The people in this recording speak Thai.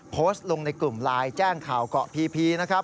โพสต์ลงในกลุ่มไลน์แจ้งข่าวเกาะพีพีนะครับ